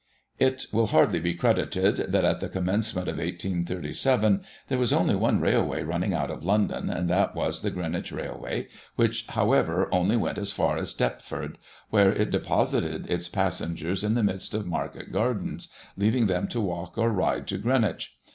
It will hardly be credited that at the conmiencement of 1837 there was only one railway running out of London, and that was the Greenwich railway, which, however, only went as far as Deptford, where it deposited its passengers in the midst of market gardens, leaving them to walk or ride to Greenwich.